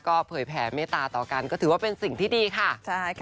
ก็เผยแผ่เมตตาต่อกันก็ถือว่าเป็นสิ่งที่ดีค่ะใช่ค่ะ